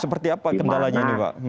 seperti apa kendalanya ini pak